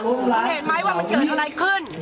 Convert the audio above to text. คุณเห็นไหมว่ามันเกิดอะไรขึ้น